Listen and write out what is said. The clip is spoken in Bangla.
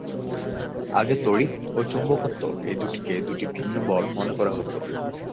আগে তড়িৎ ও চুম্বকত্ব এ দুটিকে দুটি ভিন্ন বল মনে করা হত।